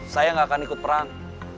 saya gak akan ikut perang